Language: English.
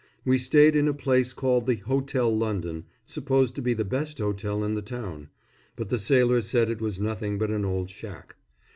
We stayed in a place called the Hôtel London, supposed to be the best hotel in the town; but the sailors said it was nothing but an old shack.